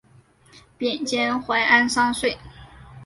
贬监怀安商税。